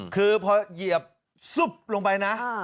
คือพอเหยียบซุบลงไปนะ